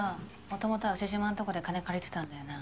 もともとは丑嶋んとこで金借りてたんだよな？